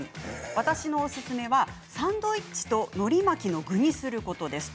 私のおすすめはサンドイッチとのり巻の具にすることです。